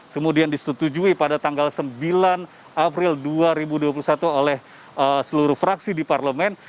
kemudian disetujui pada tanggal sembilan april dua ribu dua puluh satu oleh seluruh fraksi di parlemen